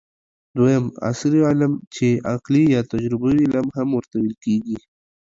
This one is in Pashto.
دویم : عصري علم چې عقلي یا تجربوي علم هم ورته ويل کېږي